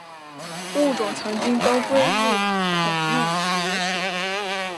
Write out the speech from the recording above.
物种曾经都归入孔弄蝶属。